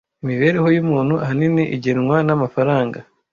Imibereho yumuntu ahanini igenwa namafaranga.